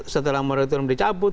setelah mereka dicaput